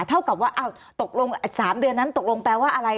เท่ากับว่าตกลง๓เดือนนั้นตกลงแปลว่าอะไร